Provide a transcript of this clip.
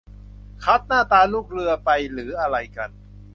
คัดหน้าตาลูกเรือไปหรืออะไรกัน